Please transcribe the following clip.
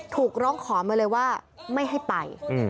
ถูกร้องขอมาเลยว่าไม่ให้ไป